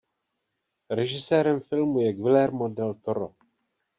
Režisérem filmu je Guillermo del Toro.